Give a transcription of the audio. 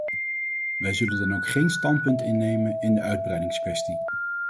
Wij zullen dan ook geen standpunt innemen in de uitbreidingskwestie.